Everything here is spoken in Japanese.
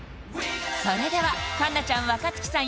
それでは環奈ちゃん若月さん